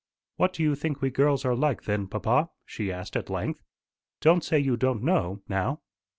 "What do you think we girls are like, then, papa?" she asked at length. "Don't say you don't know, now."